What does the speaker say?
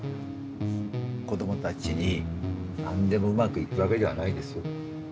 子どもたちに「何でもうまくいくわけではないですよ。